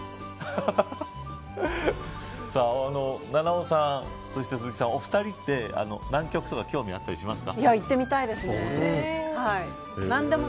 菜々緒さん鈴木さん、お二人は南極とか興味あったりしますか。